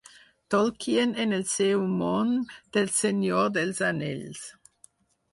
Tolkien en el seu món d'El Senyor dels Anells.